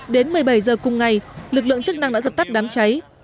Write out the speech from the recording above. đến một mươi bảy h cùng ngày lực lượng chức năng đã dập tắt đám cháy